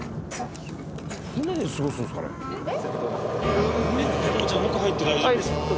船で過ごすんですかね。